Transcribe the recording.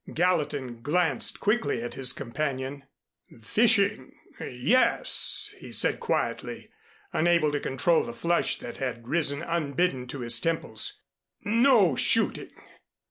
Gallatin glanced quickly at his companion. "Fishing yes," he said quietly, unable to control the flush that had risen unbidden to his temples. "No shooting."